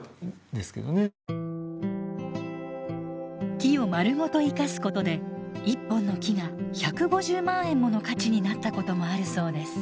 木をまるごと生かすことで１本の木が１５０万円もの価値になったこともあるそうです。